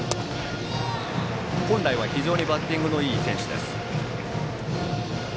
本来は非常にバッティングのいい選手です。